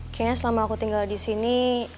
kayaknya selama aku tinggal disini